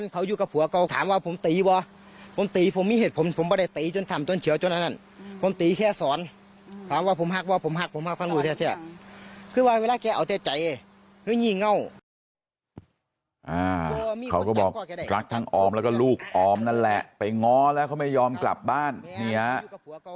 เขาก็บอกรักทั้งออมแล้วก็ลูกออมนั่นแหละไปง้อแล้วเขาไม่ยอมกลับบ้านเนี่ย